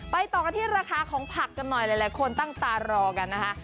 ต่อกันที่ราคาของผักกันหน่อยหลายคนตั้งตารอกันนะคะ